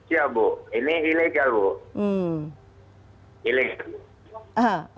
ya bu ini ilegal bu ilegal